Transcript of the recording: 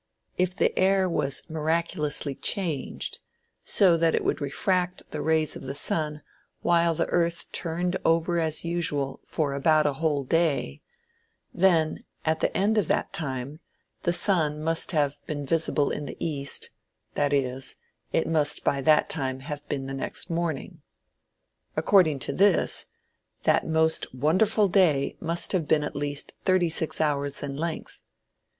If the air was miraculously changed, so that it would refract the rays of the sun while the earth turned over as usual for "about a whole day," then, at the end of that time the sun must have been visible in the east, that is, it must by that time have been the next morning. According to this, that most wonderful day must have been at least thirty six hours in length.